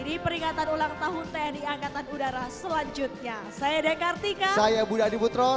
di peringatan ulang tahun tni angkatan udara selanjutnya saya dekartika saya budi adiputro